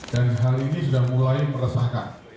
dan hal ini sudah mulai meresahkan